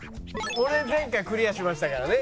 「俺前回クリアしましたからね。